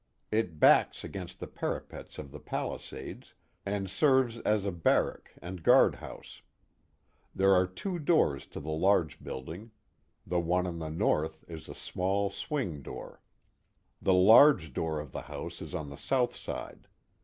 It backs against the parapet of the palisades, and serves as a barrack and guaid house. There arc two doors to the large building, the one on the north is a small swing door. The large door of the house is on the south side.